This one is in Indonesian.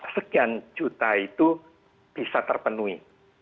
tiga ratus sekian juta itu bisa terpenuhi